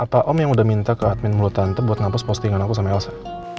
apa om yang udah minta ke admin mulut tante buat ngapus postingan aku sama elsa